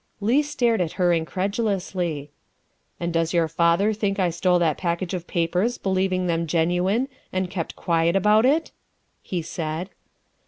Leigh stared at her incredulously. "And does your father think I stole that package of papers believing them genuine, and kept quiet about it?" he said.